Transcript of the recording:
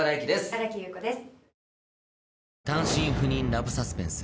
新木優子です。